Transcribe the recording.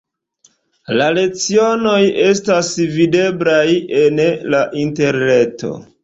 La lecionoj estas videblaj en la interreto.